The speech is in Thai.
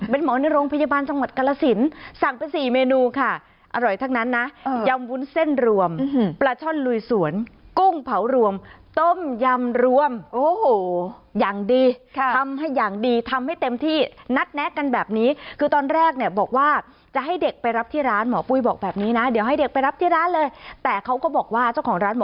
เป็นหมอในโรงพยาบาลจังหวัดกรสินสั่งเป็นสี่เมนูค่ะอร่อยทั้งนั้นนะยำวุ้นเส้นรวมปลาช่อนลุยสวนกุ้งเผารวมต้มยำรวมโอ้โหอย่างดีทำให้อย่างดีทำให้เต็มที่นัดแนะกันแบบนี้คือตอนแรกเนี่ยบอกว่าจะให้เด็กไปรับที่ร้านหมอปุ้ยบอกแบบนี้นะเดี๋ยวให้เด็กไปรับที่ร้านเลยแต่เขาก็บอกว่าเจ้าของร้านหมอ